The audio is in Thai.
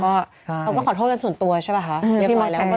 เขาก็ขอโทษกันส่วนตัวใช่ป่ะค่ะ